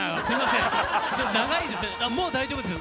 もう大丈夫です